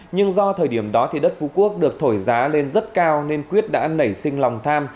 nhưng do thời điểm đó thì đất phú quốc được thổi giá lên rất cao nên quyết đã nảy sinh lòng tham